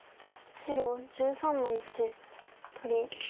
白１３の一取り。